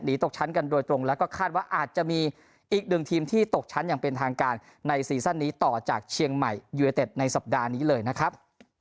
ตกชั้นกันโดยตรงแล้วก็คาดว่าอาจจะมีอีกหนึ่งทีมที่ตกชั้นอย่างเป็นทางการในซีซั่นนี้ต่อจากเชียงใหม่ยูเนเต็ดในสัปดาห์นี้เลยนะครับ